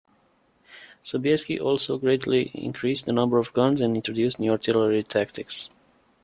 Sobieski also greatly increased the number of guns and introduced new artillery tactics.